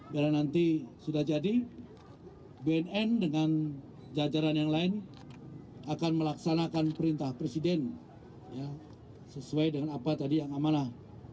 bila nanti sudah jadi bnn dengan jajaran yang lain akan melaksanakan perintah presiden sesuai dengan apa tadi yang amanah